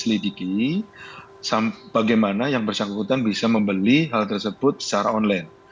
selidiki bagaimana yang bersangkutan bisa membeli hal tersebut secara online